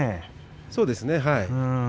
そうですね。